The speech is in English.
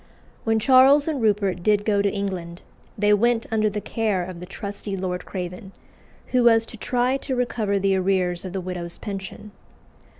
When Charles and Rupert did go to England, they went under the care of the trusty Lord Craven, who was to try to recover the arrears of the widow's pension.